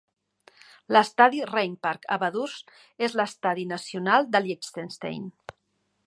L'Estadi Rheinpark a Vaduz és l'estadi nacional de Liechtenstein.